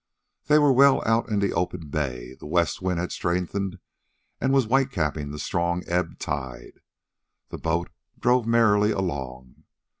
They were well out in the open bay. The west wind had strengthened and was whitecapping the strong ebb tide. The boat drove merrily along.